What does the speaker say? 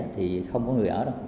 thì không có người ở đâu